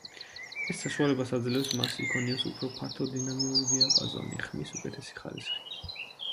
ეს საშუალებას აძლევს მას იქონიოს უფრო ფართო დინამიური დიაპაზონი, ხმის უკეთესი ხარისხი.